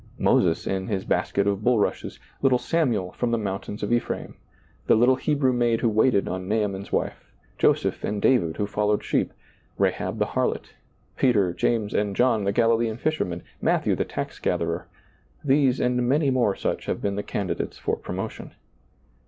Moses in his basket of bul rushes, little Samuel from the mountains of Ephraim, the little Hebrew maid who waited on Naaman's wife, Joseph and David who followed sheep, Rahab the harlot, Peter, James, and John, ^lailizccbvGoOgle i« SEEING DARKLY the Galilean fishermen, Matthew the taxgatherer, — these and many more such have been the candi dates for promotion.